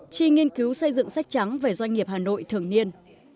chi nghiên cứu xây dựng sách trắng về doanh nghiệp hà nội thường niên